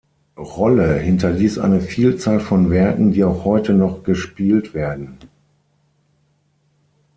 Rolle hinterließ eine Vielzahl von Werken, die auch heute noch gespielt werden.